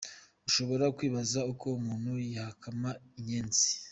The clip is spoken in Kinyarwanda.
Ushobora kwibaza uko umuntu yakama inyenzi.